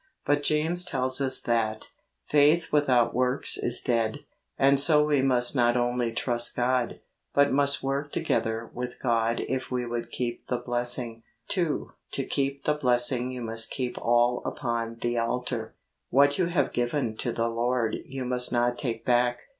But James tells us that ' faith without works is dead '; and so we must not only trust God, but must work together with God if we would keep the blessing. 2. To keep the blessing you must keep all upon the altar. What you have given to the Lord you must not take back.